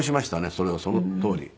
それをそのとおり。